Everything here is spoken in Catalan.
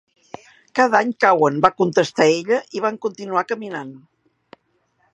Cada any cauen,—va contestar ella, i van continuar caminant.